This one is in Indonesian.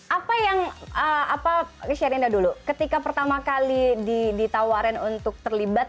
apa yang sherina dulu ketika pertama kali ditawarin untuk terlibat